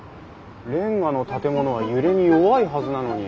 れんがの建物は揺れに弱いはずなのに。